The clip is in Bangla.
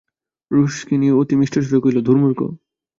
রুক্মিণী অতি মিষ্টস্বরে কহিল, দূর মূর্খ।